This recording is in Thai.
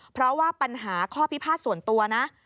เพราะว่าปัญหาข้อพิพาทส่วนตัวนะ